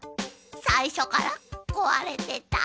さいしょから壊れてた。